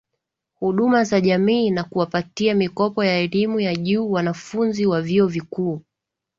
Huduma za jamii na kuwapatia mikopo ya elimu ya juu wanafunzi wa Vyuo Vikuu